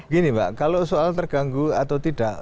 gini mbak kalau soal terganggu atau tidak